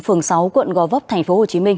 phường sáu quận gò vấp tp hcm